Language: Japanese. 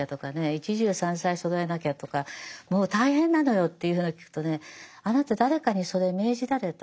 一汁三菜そろえなきゃとかもう大変なのよというふうなのを聞くとねあなた誰かにそれ命じられた？